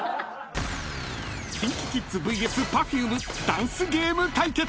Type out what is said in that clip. ［ＫｉｎＫｉＫｉｄｓＶＳＰｅｒｆｕｍｅダンスゲーム対決！］